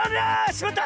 しまった！